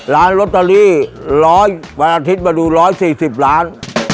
ลอตเตอรี่๑๐๐วันอาทิตย์มาดู๑๔๐ล้าน